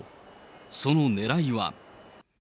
そのねらいは。